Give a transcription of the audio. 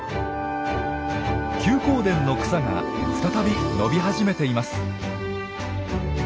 休耕田の草が再び伸び始めています。